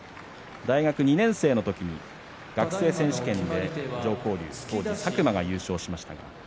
大学２年生の時に学生選手権で常幸龍佐久間が優勝しました。